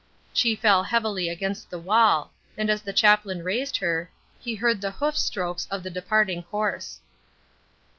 She fell heavily against the wall, and as the chaplain raised her, he heard the hoof strokes of the departing horse.